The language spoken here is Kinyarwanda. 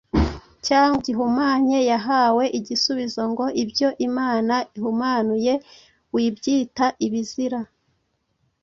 cyangwa gihumanye, yahawe igisubizo ngo, “Ibyo Imana ihumanuye, wibyita ibizira.”